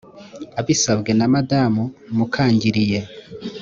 abisabwe na madamu mukangiriye